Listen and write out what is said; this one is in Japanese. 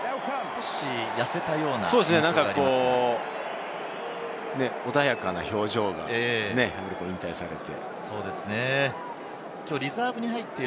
少し痩せたような印象が穏やかな表情ですね、引退されて。